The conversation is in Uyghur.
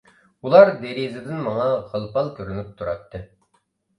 ئۇلار دېرىزىدىن ماڭا غىل-پال كۆرۈنۈپ تۇراتتى.